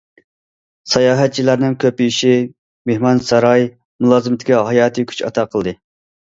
ساياھەتچىلەرنىڭ كۆپىيىشى مېھمانساراي مۇلازىمىتىگە ھاياتىي كۈچ ئاتا قىلدى.